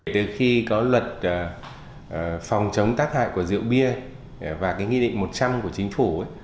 từ khi có luật phòng chống tác hại của rượu bia và nghị định một trăm linh của chính phủ